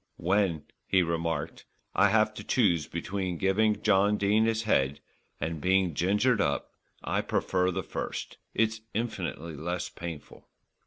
"When," he remarked, "I have to choose between giving John Dene his head and being gingered up, I prefer the first. It's infinitely less painful."